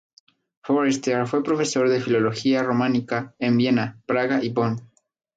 Foerster fue profesor de filología románica en Viena, Praga y Bonn.